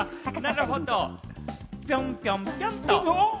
ぴょんぴょんぴょんと。